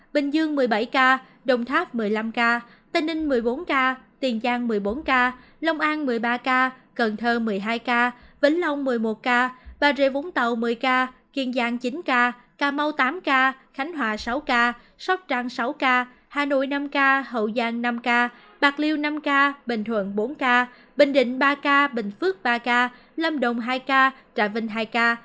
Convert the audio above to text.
bình dương một mươi bảy ca đồng tháp một mươi năm ca tây ninh một mươi bốn ca tiền giang một mươi bốn ca lòng an một mươi ba ca cần thơ một mươi hai ca vĩnh long một mươi một ca bà rịa vũng tàu một mươi ca kiên giang chín ca cà mau tám ca khánh hòa sáu ca sóc trang sáu ca hà nội năm ca hậu giang năm ca bạc liêu năm ca bình thuận bốn ca bình định ba ca bình phước ba ca lâm đồng hai ca trại vinh hai ca